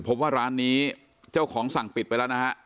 พบว่าร้านนี้เจ้าของสั่งปิดไปแล้วนะฮะ